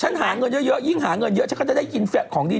หาเงินเยอะยิ่งหาเงินเยอะฉันก็จะได้กินของดี